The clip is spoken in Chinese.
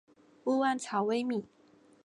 勿忘草微米。